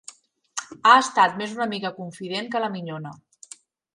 Ha estat més una amiga confident que la minyona.